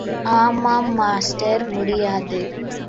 ஆமாம் மாஸ்டர், முடியாது!